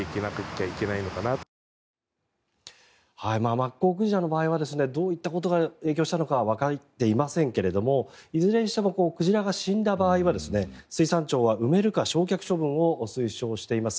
マッコウクジラの場合はどういったことが影響したのかわかっていませんけれどもいずれにしても鯨が死んだ場合は水産庁は埋めるか焼却処分を推奨しています。